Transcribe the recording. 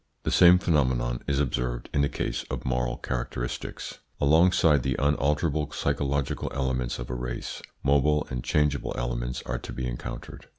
The same phenomenon is observed in the case of moral characteristics. Alongside the unalterable psychological elements of a race, mobile and changeable elements are to be encountered.